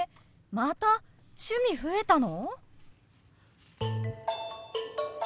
また趣味増えたの！？